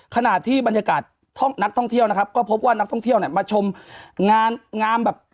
ขณะที่บรรยากาศนักท่องเที่ยวนะครับก็พบว่านักท่องเที่ยวเนี่ยมาชมงานงามแบบ